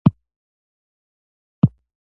د جګدلک یاقوت سور رنګ لري.